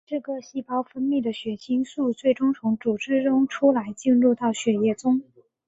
嗜铬细胞分泌的血清素最终从组织中出来进入血液中。